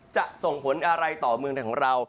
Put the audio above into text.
ส่งผลอะไรต่อเมืองไทยของเรา